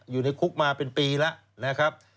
อยู่ในคุกมาเป็นปีแล้วนะครับ